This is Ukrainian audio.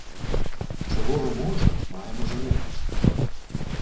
— Кошового можа маємо жонити.